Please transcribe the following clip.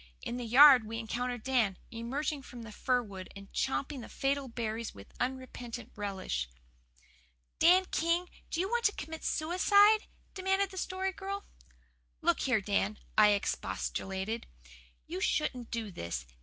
In the yard we encountered Dan, emerging from the fir wood and champing the fatal berries with unrepentant relish. "Dan King, do you want to commit suicide?" demanded the Story Girl. "Look here, Dan," I expostulated. "You shouldn't do this.